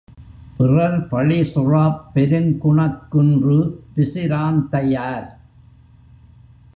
பிறர் பழிசுறாப் பெருங்குணக் குன்று பிசிராந்தையார்!